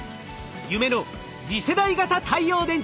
夢の次世代型太陽電池。